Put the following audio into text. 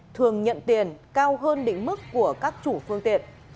thường nhận tiền cao hơn định mức của các chủ phương tiện